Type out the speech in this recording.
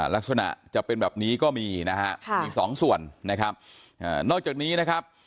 ลักษณะจะเป็นแบบนี้ก็มีนะฮะอีกสองส่วนนะครับนอกจากนี้นะครับ